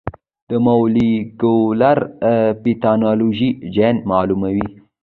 د مولېکولر پیتالوژي جین معلوموي.